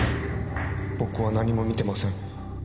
僕は何も見てません。